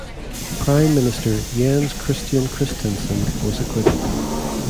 Prime Minister Jens Christian Christensen was acquitted.